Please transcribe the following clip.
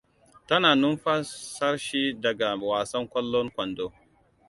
Tana numfarfashi daga wasan kwallon kwando.